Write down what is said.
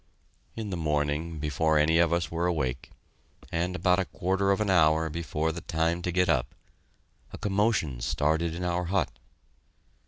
In the morning, before any of us were awake, and about a quarter of an hour before the time to get up, a commotion started in our hut.